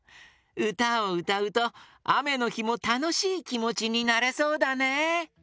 うたをうたうとあめのひもたのしいきもちになれそうだね！